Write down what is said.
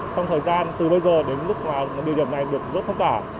trong thời gian từ bây giờ đến lúc mà điều điểm này được rốt phong tỏa